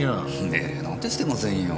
命令なんてしてませんよ。